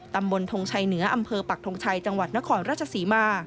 ทงชัยเหนืออำเภอปักทงชัยจังหวัดนครราชศรีมา